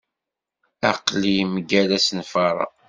Aql-i mgal asenfar-a.